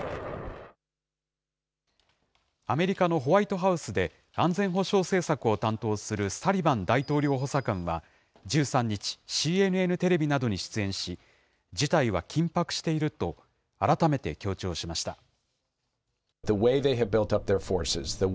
アメリカのホワイトハウスで安全保障政策を担当するサリバン大統領補佐官は１３日、ＣＮＮテレビなどに出演し、事態は緊迫していると、改めて強調しました。